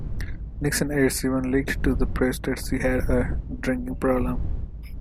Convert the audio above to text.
Nixon aides even leaked to the press that she had a "drinking problem".